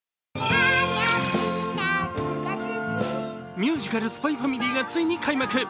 ミュージカル「ＳＰＹ×ＦＡＭＩＬＹ」がついに開幕。